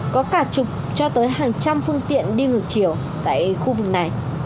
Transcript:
có cả chục cho tới hàng trăm phương tiện đi ngược chiều tại khu vực này